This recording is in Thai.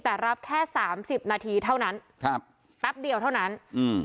แต่รับแค่สามสิบนาทีเท่านั้นครับแป๊บเดียวเท่านั้นอืม